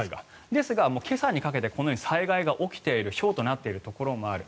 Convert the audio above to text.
ですが、今朝にかけてこのように災害が起きているひょうとなっているところもある。